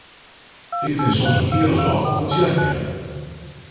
Ik rin soms in kear as wat om it tsjerkje hinne.